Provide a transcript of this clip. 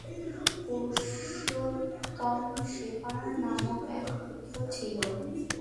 পুরুষোত্তম শেখর নামক তার এক পুত্র ছিল।